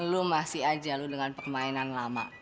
lo masih aja lo dengan permainan lama